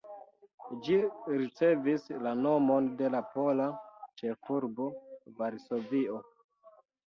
Ĝi ricevis la nomon de la pola ĉefurbo Varsovio.